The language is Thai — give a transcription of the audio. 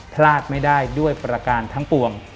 พลาดไม่ได้ด้วยประการทั้งปวง